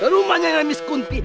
rumahnya dengan miss kunti